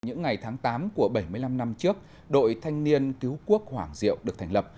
những ngày tháng tám của bảy mươi năm năm trước đội thanh niên cứu quốc hoàng diệu được thành lập